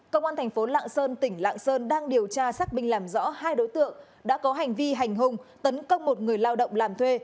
công an thành phố lạng sơn tỉnh lạng sơn đang điều tra xác minh làm rõ hai đối tượng đã có hành vi hành hung tấn công một người lao động làm thuê